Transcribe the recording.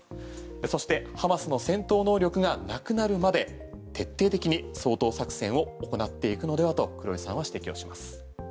そして、ハマスの戦闘能力がなくなるまで徹底的に掃討作戦を行っていくのではと黒井さんは指摘をします。